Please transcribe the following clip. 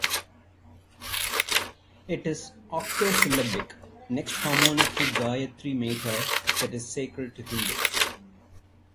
It is octosyllabic, next harmonic to Gayatri meter that is sacred to the Hindus.